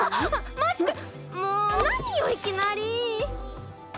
マスク！も何よいきなり！